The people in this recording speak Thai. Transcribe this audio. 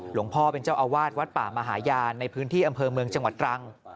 หลวงพ่อเป็นเจ้าอาวาสวัดป่ามหาญาณในพื้นที่อำเภอเมืองจังหวัดตรัง